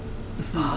ああ。